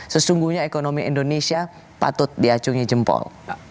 sesungguhnya ekonomi indonesia patut diacungi jempol